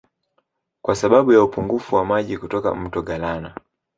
Kwa sababu ya upungufu wa maji kutoka Mto Galana